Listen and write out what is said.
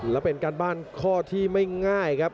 และเป็นการบ้านข้อที่ไม่ง่ายครับ